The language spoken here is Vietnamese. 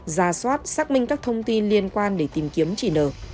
ra soát xác minh các thông tin liên quan để tìm kiếm chị n